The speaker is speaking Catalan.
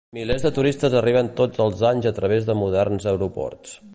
Milers de turistes arriben tots els anys a través de moderns aeroports.